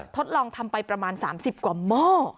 ทดลองทำไปประมาณ๓๐กว่าหม้อ